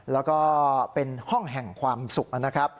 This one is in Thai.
แล้วก็เป็นห้องแห่งความสุขนะครับ